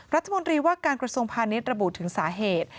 รัฐมนตรีว่าการกระทรวงพาณิชย์ระบุถึงสาเหตุ